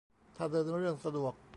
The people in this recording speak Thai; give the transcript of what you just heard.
ถ้าเดินเรื่องสะดวก